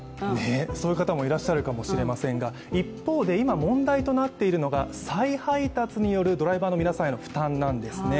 そういう方もいらっしゃるかもしれませんが一方で、今、問題となっているのが再配達によるドライバーの皆さんへの負担なんですね。